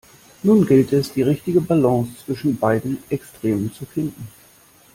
Nun gilt es, die richtige Balance zwischen beiden Extremen zu finden.